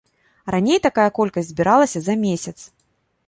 Раней такая колькасць збіралася за месяц.